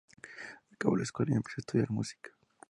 Acabó la escuela y empezó a estudiar música.